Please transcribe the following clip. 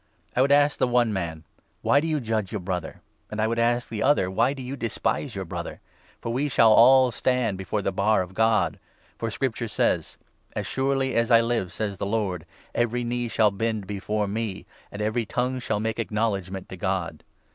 I would ask 10 the one man ' Why do you judge your Brother ?' And I would ask the other ' Why do you despise your Brother ?' For we shall all stand before the Bar of God. For Scripture says — n '" As surely as I live," says the Lord, " every knee shall bend before me ; And every tongue shall make acknowledgement to God."'